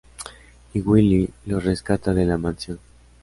Y Willie los rescata de la mansión.